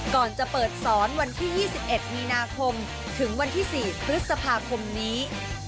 ก่อนจะเปิดสอนวันที่๒๑มีนาคมถึงวันที่๔พฤษภาคมนี้